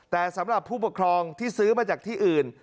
แต่สำหรับผู้ปกครองที่ซื้อมาจากที่อื่น